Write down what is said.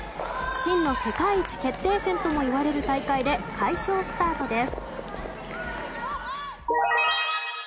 真の世界一決定戦ともいわれる大会で快勝スタートです。